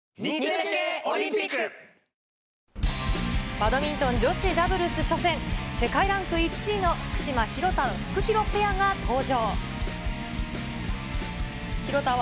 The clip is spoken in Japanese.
バドミントン女子ダブルス初戦、世界ランク１位の福島・廣田、フクヒロペアが登場。